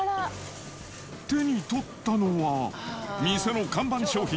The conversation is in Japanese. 手に取ったのは、店の看板商品、